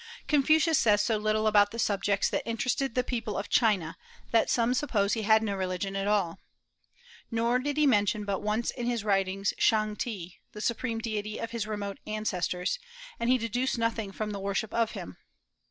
Confucius says so little about the subjects that interested the people of China that some suppose he had no religion at all. Nor did he mention but once in his writings Shang te, the supreme deity of his remote ancestors; and he deduced nothing from the worship of him.